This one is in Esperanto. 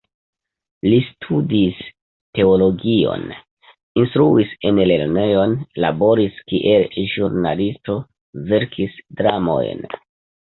Li studis teologion, instruis en lernejoj, laboris kiel ĵurnalisto, verkis dramojn.